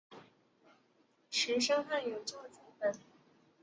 石声汉有校注本。